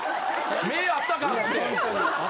目合ったからって。